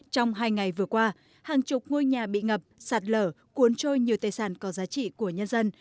trong hai ngày vừa qua hàng chục ngôi nhà bị ngập sạt lở cuốn trôi nhiều tài sản có giá trị của nhân dân